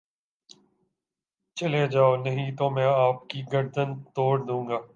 چلے جاؤ نہیں تو میں آپ کی گردن تڑ دوں گا